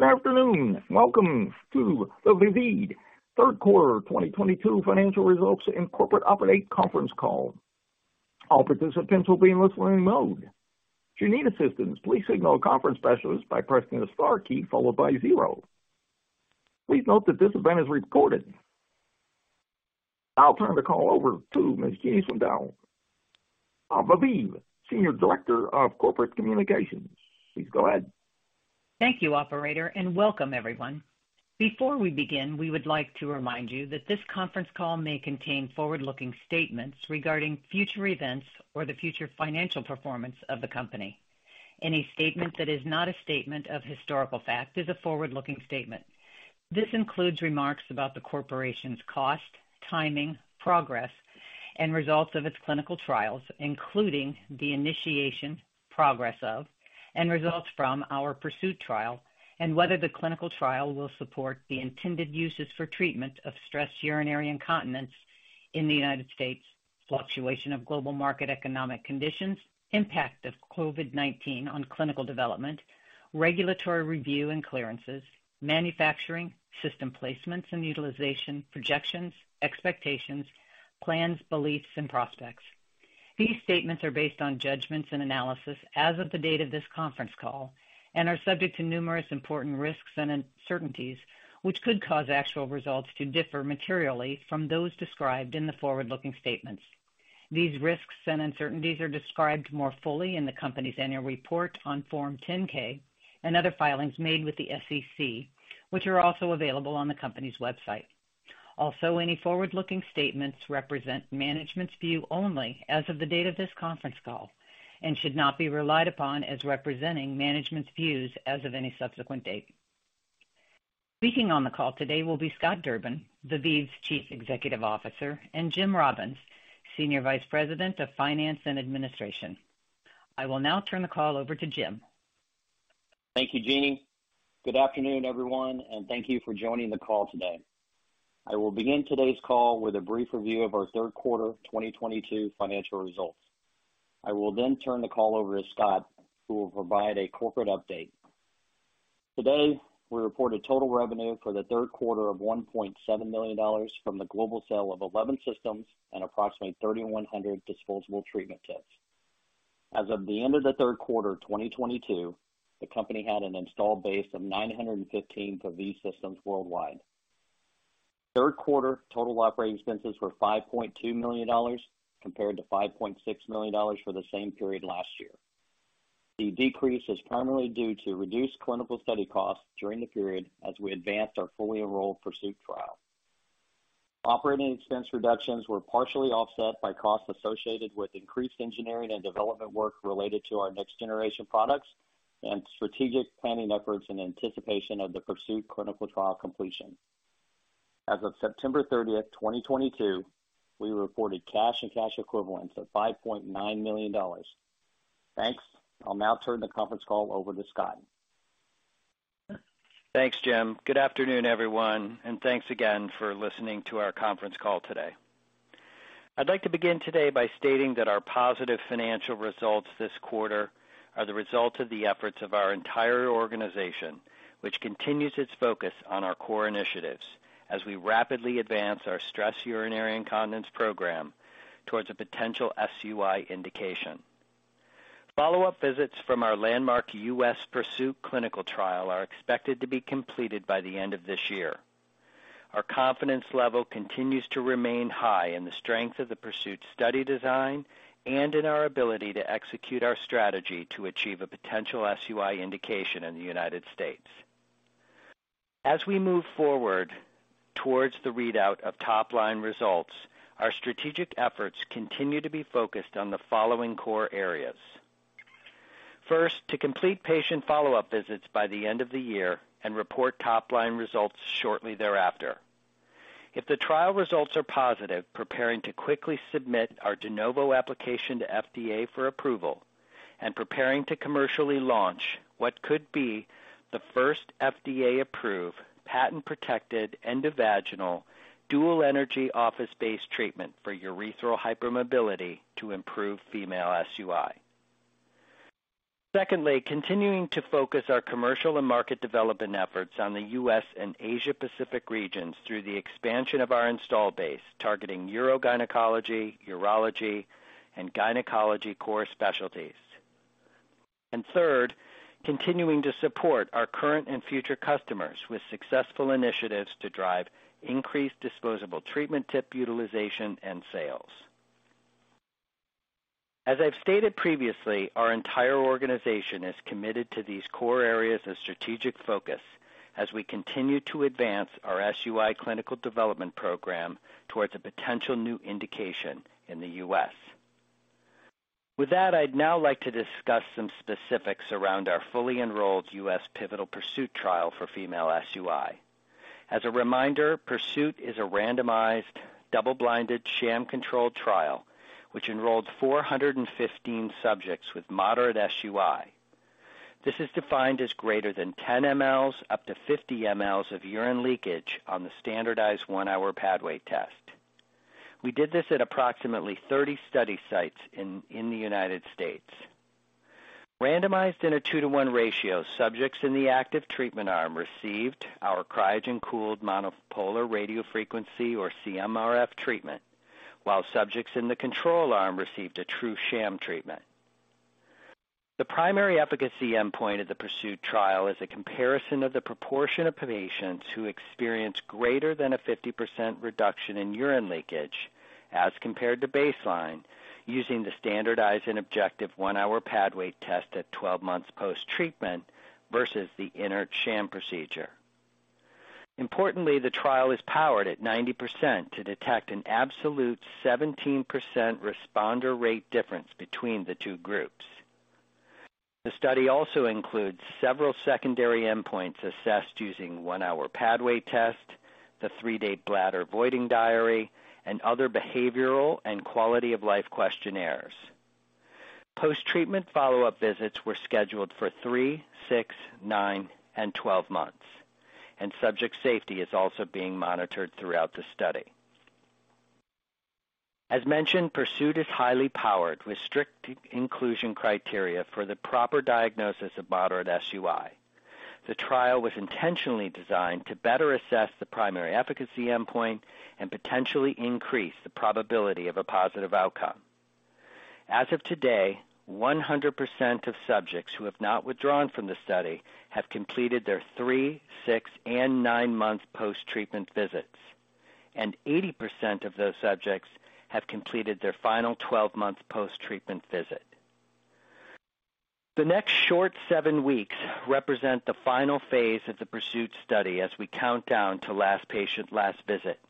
Good afternoon. Welcome to the Viveve Third Quarter 2022 Financial Results and corporate update Conference Call. All participants will be in listening mode. If you need assistance, please signal a conference specialist by pressing the star key followed by zero. Please note that this event is recorded. I'll turn the call over to Ms. Jeannie Swindle of Viveve, Senior Director of Corporate Communications. Please go ahead. Thank you, operator, and welcome everyone. Before we begin, we would like to remind you that this conference call may contain forward-looking statements regarding future events or the future financial performance of the company. Any statement that is not a statement of historical fact is a forward-looking statement. This includes remarks about the corporation's cost, timing, progress, and results of its clinical trials, including the initiation, progress of, and results from our PURSUIT trial and whether the clinical trial will support the intended uses for treatment of stress urinary incontinence in the United States, fluctuation of global market economic conditions, impact of COVID-19 on clinical development, regulatory review and clearances, manufacturing, system placements and utilization, projections, expectations, plans, beliefs, and prospects. These statements are based on judgments and analysis as of the date of this conference call and are subject to numerous important risks and uncertainties, which could cause actual results to differ materially from those described in the forward-looking statements. These risks and uncertainties are described more fully in the company's annual report on Form 10-K and other filings made with the SEC, which are also available on the company's website. Also, any forward-looking statements represent management's view only as of the date of this conference call and should not be relied upon as representing management's views as of any subsequent date. Speaking on the call today will be Scott Durbin, Viveve's Chief Executive Officer, and Jim Robbins, Senior Vice President of Finance and Administration. I will now turn the call over to Jim. Thank you, Jeannie. Good afternoon, everyone, and thank you for joining the call today. I will begin today's call with a brief review of our third quarter 2022 financial results. I will then turn the call over to Scott, who will provide a corporate update. Today, we reported total revenue for the third quarter of $1.7 million from the global sale of 11 systems and approximately 3,100 disposable treatment kits. As of the end of the third quarter 2022, the company had an installed base of 915 Viveve Systems worldwide. Third quarter total operating expenses were $5.2 million compared to $5.6 million for the same period last year. The decrease is primarily due to reduced clinical study costs during the period as we advanced our fully enrolled PURSUIT trial. Operating expense reductions were partially offset by costs associated with increased engineering and development work related to our next generation products and strategic planning efforts in anticipation of the PURSUIT trial completion. As of September 30, 2022, we reported cash and cash equivalents of $5.9 million. Thanks. I'll now turn the conference call over to Scott. Thanks, Jim. Good afternoon, everyone, and thanks again for listening to our conference call today. I'd like to begin today by stating that our positive financial results this quarter are the result of the efforts of our entire organization, which continues its focus on our core initiatives as we rapidly advance our stress urinary incontinence program towards a potential SUI indication. Follow-up visits from our landmark U.S. PURSUIT clinical trial are expected to be completed by the end of this year. Our confidence level continues to remain high in the strength of the PURSUIT study design and in our ability to execute our strategy to achieve a potential SUI indication in the United States. As we move forward towards the readout of top-line results, our strategic efforts continue to be focused on the following core areas. First, to complete patient follow-up visits by the end of the year and report top-line results shortly thereafter. If the trial results are positive, preparing to quickly submit our De Novo application to FDA for approval and preparing to commercially launch what could be the first FDA-approved, patent-protected endovaginal dual energy office-based treatment for urethral hypermobility to improve female SUI. Secondly, continuing to focus our commercial and market development efforts on the U.S. and Asia Pacific regions through the expansion of our install base, targeting urogynecology, urology, and gynecology core specialties. Third, continuing to support our current and future customers with successful initiatives to drive increased disposable treatment tip utilization and sales. As I've stated previously, our entire organization is committed to these core areas of strategic focus as we continue to advance our SUI clinical development program towards a potential new indication in the U.S. With that, I'd now like to discuss some specifics around our fully enrolled U.S. pivotal PURSUIT trial for female SUI. As a reminder, PURSUIT is a randomized, double-blinded, sham-controlled trial which enrolled 415 subjects with moderate SUI. This is defined as greater than 10 mL up to 50 mL of urine leakage on the standardized 1-hour Pad Weight Test. We did this at approximately 30 study sites in the United States. Randomized in a 2-to-1 ratio, subjects in the active treatment arm received our cryogen-cooled monopolar radiofrequency or CMRF treatment, while subjects in the control arm received a true sham treatment. The primary efficacy endpoint of the PURSUIT trial is a comparison of the proportion of patients who experience greater than a 50% reduction in urine leakage as compared to baseline, using the standardized and objective 1-hour Pad Weight Test at 12 months post-treatment versus the inert sham procedure. Importantly, the trial is powered at 90% to detect an absolute 17% responder rate difference between the two groups. The study also includes several secondary endpoints assessed using 1-hour Pad Weight Test, the three day bladder voiding diary, and other behavioral and quality of life questionnaires. Post-treatment follow-up visits were scheduled for 3, 6, 9, and 12 months, and subject safety is also being monitored throughout the study. As mentioned, PURSUIT is highly powered with strict inclusion criteria for the proper diagnosis of moderate SUI. The trial was intentionally designed to better assess the primary efficacy endpoint and potentially increase the probability of a positive outcome. As of today, 100% of subjects who have not withdrawn from the study have completed their 3-, 6- and 9-month post-treatment visits, and 80% of those subjects have completed their final 12-month post-treatment visit. The next short seven weeks represent the final phase of the PURSUIT study as we count down to last patient, last visit.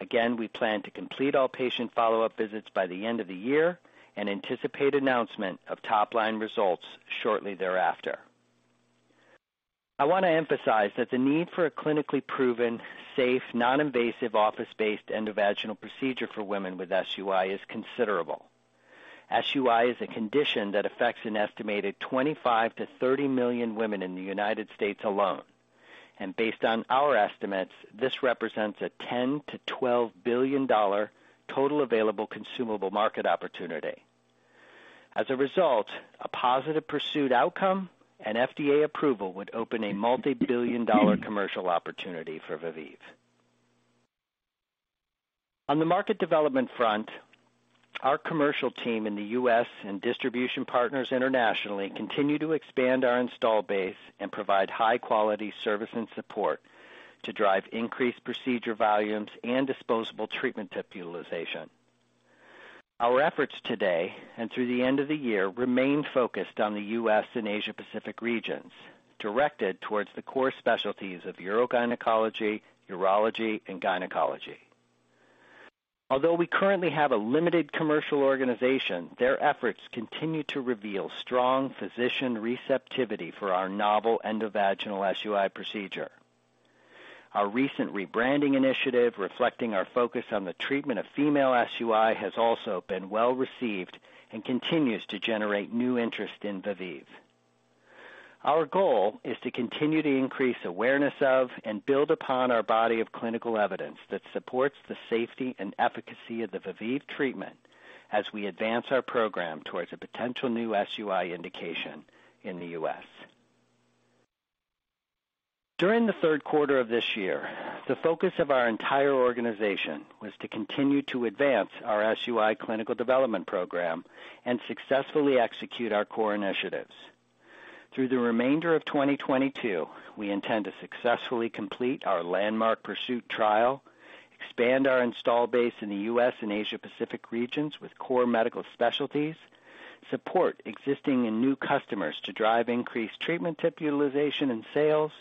Again, we plan to complete all patient follow-up visits by the end of the year and anticipate announcement of top line results shortly thereafter. I want to emphasize that the need for a clinically proven, safe, non-invasive, office-based endovaginal procedure for women with SUI is considerable. SUI is a condition that affects an estimated 25-30 million women in the United States alone, and based on our estimates, this represents a $10-$12 billion total available consumable market opportunity. As a result, a positive PURSUIT outcome and FDA approval would open a multi-billion-dollar commercial opportunity for Viveve. On the market development front, our commercial team in the U.S. and distribution partners internationally continue to expand our install base and provide high-quality service and support to drive increased procedure volumes and disposable treatment tip utilization. Our efforts today and through the end of the year remain focused on the U.S. and Asia Pacific regions, directed towards the core specialties of urogynecology, urology and gynecology. Although we currently have a limited commercial organization, their efforts continue to reveal strong physician receptivity for our novel endovaginal SUI procedure. Our recent rebranding initiative, reflecting our focus on the treatment of female SUI, has also been well received and continues to generate new interest in Viveve. Our goal is to continue to increase awareness of and build upon our body of clinical evidence that supports the safety and efficacy of the Viveve treatment as we advance our program towards a potential new SUI indication in the U.S. During the third quarter of this year, the focus of our entire organization was to continue to advance our SUI clinical development program and successfully execute our core initiatives. Through the remainder of 2022, we intend to successfully complete our landmark PURSUIT trial, expand our install base in the U.S. and Asia Pacific regions with core medical specialties, support existing and new customers to drive increased treatment tip utilization and sales,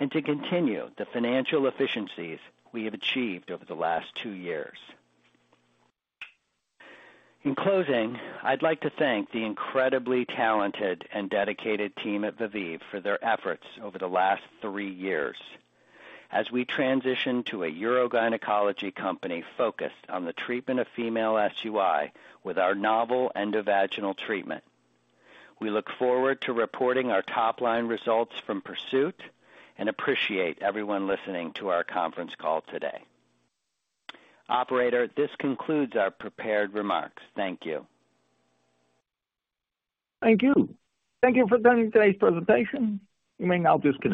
and to continue the financial efficiencies we have achieved over the last two years. In closing, I'd like to thank the incredibly talented and dedicated team at Viveve for their efforts over the last three years as we transition to a urogynecology company focused on the treatment of female SUI with our novel endovaginal treatment. We look forward to reporting our top line results from PURSUIT and appreciate everyone listening to our conference call today. Operator, this concludes our prepared remarks. Thank you. Thank you. Thank you for attending today's presentation. You may now disconnect.